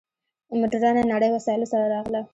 مډرنه نړۍ وسایلو سره راغله.